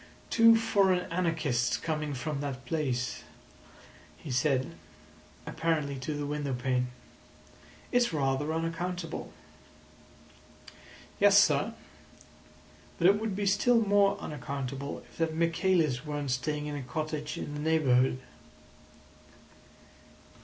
"Two foreign anarchists coming from that place," he said, apparently to the window pane. "It's rather unaccountable."' "Yes, sir. But it would be still more unaccountable if that Michaelis weren't staying in a cottage in the neighbourhood."